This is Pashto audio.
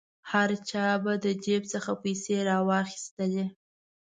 هر چا به د جیب څخه پیسې را واخیستلې.